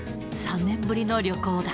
３年ぶりの旅行だ。